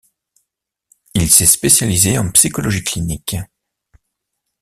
Il s’est spécialisé en psychologie clinique.